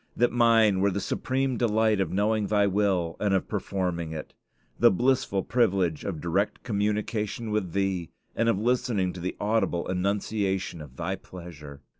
that mine were the supreme delight of knowing Thy will and of performing it! the blissful privilege of direct communication with Thee, and of listening to the audible enunciation of Thy pleasure!